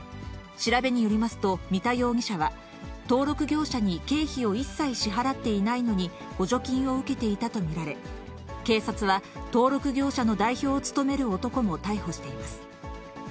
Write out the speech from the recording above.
調べによりますと、三田容疑者は、登録業者に経費を一切支払っていないのに補助金を受けていたと見られ、警察は、登録業者の代表を務める男も逮捕しています。